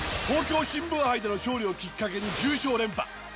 東京新聞杯での勝利をきっかけに重賞連覇。